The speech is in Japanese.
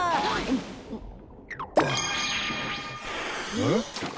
えっ？